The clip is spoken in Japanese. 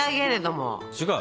違う？